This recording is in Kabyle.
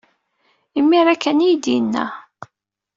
Imir-a kan ay iyi-d-yenna.